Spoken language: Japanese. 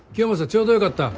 ちょうどよかった。